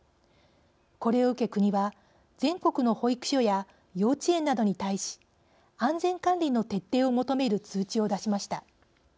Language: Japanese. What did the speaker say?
これを受け、国は全国の保育所や幼稚園などに対し安全管理の徹底を求める通知を出しました。